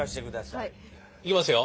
いきますよ？